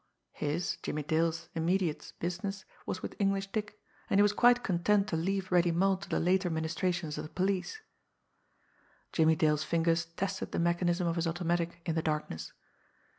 His, Jimmie Dale's, immediate business was with English Dick, and he was quite content to leave Reddy Mull to the later ministrations of the police. Jimmie Dale's fingers tested the mechanism of his automatic in the darkness.